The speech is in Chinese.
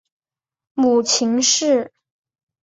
母秦氏。